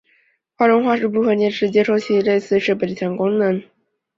画中画是部分电视接收器和类似设备的一项功能。